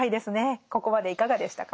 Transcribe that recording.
ここまでいかがでしたか？